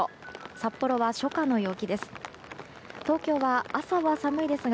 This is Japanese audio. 札幌は初夏の陽気です。